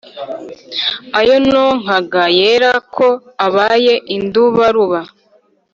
Ayo nonkaga yera Ko Abaye indubaruba